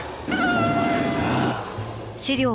お前なあ。